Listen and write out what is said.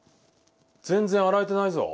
全然洗えてないぞ。